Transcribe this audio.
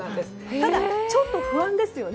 ただ、ちょっと不安ですよね。